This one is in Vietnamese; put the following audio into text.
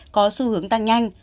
có xu hướng tăng nhanh